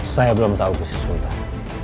saya belum tahu khusus sultan